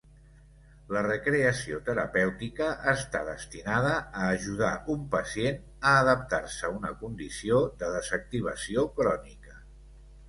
La recreació terapèutica està destinada a ajudar un pacient a adaptar-se a una condició de desactivació crònica.